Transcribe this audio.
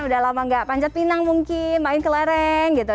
sudah lama tidak panjat pinang mungkin main kelereng gitu